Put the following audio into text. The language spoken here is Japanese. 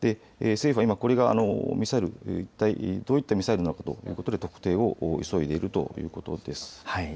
政府は今これがどういったミサイルなのかということで特定を急いでいるということです。